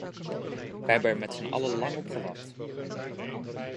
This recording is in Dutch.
Wij hebben er met zijn allen lang op gewacht.